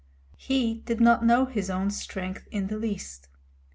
He did not know his own strength in the least.